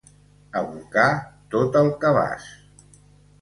Abocar tot el cabàs.